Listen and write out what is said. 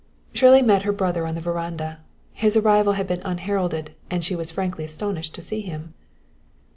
Shirley met her brother on the veranda. His arrival had been unheralded and she was frankly astonished to see him.